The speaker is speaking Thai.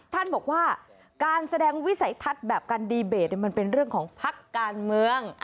ท่านบอกว่าการแสดงวิสัยทัศน์แบบการดีเบตมันเป็นเรื่องของพักการเมือง